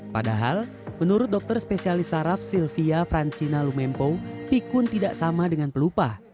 padahal menurut dokter spesialis saraf sylvia francina lumempo pikun tidak sama dengan pelupa